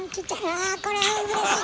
あこれうれしい。